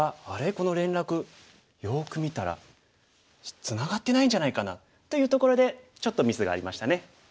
この連絡よく見たらツナがってないんじゃないかな」というところでちょっとミスがありましたね。